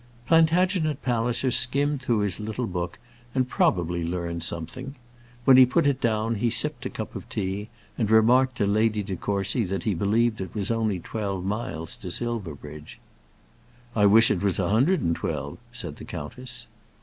Plantagenet Palliser skimmed through his little book, and probably learned something. When he put it down he sipped a cup of tea, and remarked to Lady De Courcy that he believed it was only twelve miles to Silverbridge. "I wish it was a hundred and twelve," said the countess.